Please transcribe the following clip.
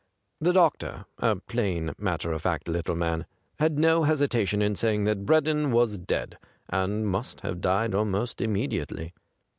The doctor, a plain, mattei* of fact little man, had no hesitation in saying that Breddon was dead, and must have died almost immediately.